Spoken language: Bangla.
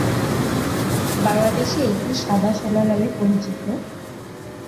বাংলাদেশে এটি সাদা সোনা হিসেবে পরিচিত।